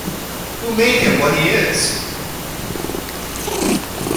Who made him what he is?